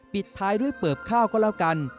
ปิดท้ายด้วยเปิบข้าวก็แล้วกัน